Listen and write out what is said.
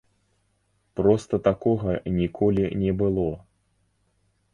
Проста такога ніколі не было.